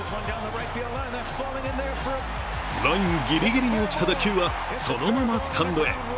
ラインぎりぎりに落ちた打球はそのままスタンドへ。